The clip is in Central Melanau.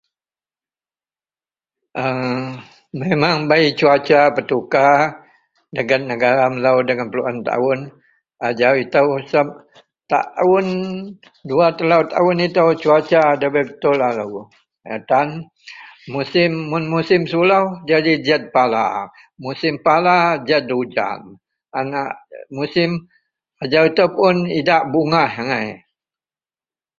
….. yenlah, ok…. [aaa]…wak inou laei nou pasel pebak cara bank onlaen. Memang cara bank onlaen laju tapi dagen laju yen telou pun kena buyak tikau a sebab bei sekema kena monita inou telou